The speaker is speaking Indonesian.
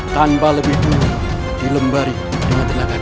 tanpa lebih dulu dilembari dengan tenaga dalamnya